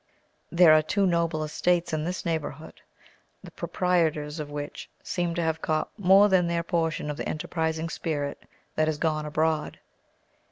There are two noble estates in this neighbourhood, the proprietors of which seem to have caught more than their portion of the enterprising spirit that is gone abroad.